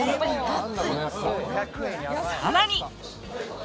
さらに。